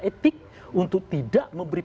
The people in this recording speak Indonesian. etik untuk tidak memberi